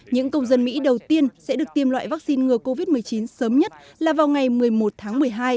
những công dân mỹ đầu tiên sẽ được tiêm loại vaccine ngừa covid một mươi chín sớm nhất là vào ngày một mươi một tháng một mươi hai